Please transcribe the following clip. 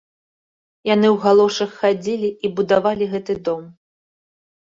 Яны ў галошах хадзілі і будавалі гэты дом.